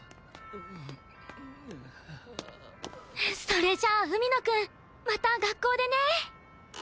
それじゃあ海野くんまた学校でね！